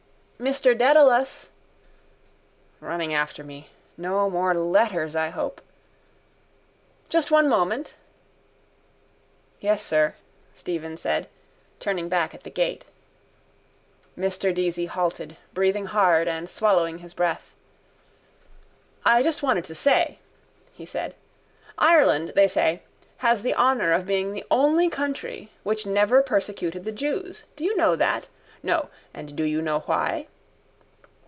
—Mr Dedalus! Running after me. No more letters, I hope. —Just one moment. —Yes, sir, Stephen said, turning back at the gate. Mr Deasy halted, breathing hard and swallowing his breath. —I just wanted to say, he said. Ireland, they say, has the honour of being the only country which never persecuted the jews. Do you know that? No. And do you know why?